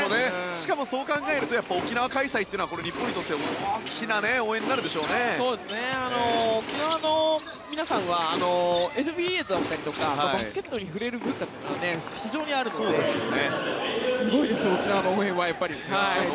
しかも、そう考えると沖縄開催というのは日本にとって沖縄の皆さんはＮＢＡだったりとかバスケットに触れる文化というのが非常にあるのですごいですよ、沖縄の応援は。